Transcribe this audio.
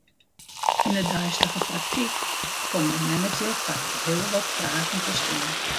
Yn 'e deistige praktyk komt de manager foar heel wat fragen te stean.